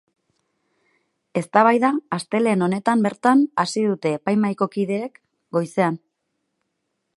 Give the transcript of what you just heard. Eztabaida astelehen honetan bertan hasi dute epaimahaiko kideek, goizean.